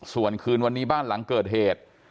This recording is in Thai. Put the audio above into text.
ส่วนคืนวันนี้บ้านหลังเกิดเหตุ